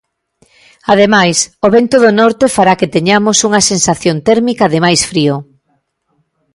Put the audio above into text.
Ademais, o vento do norte fará que teñamos unha sensación térmica de máis frío.